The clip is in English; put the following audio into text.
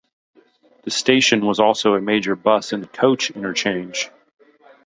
The station was also a major bus and coach interchange.